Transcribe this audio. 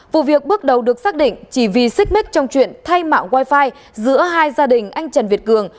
vụ việc bước đầu được xác định chỉ vì xích mít trong chuyện thay mạo wifi giữa hai gia đình anh trần việt cường